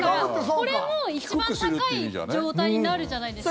これも一番高い状態になるじゃないですか。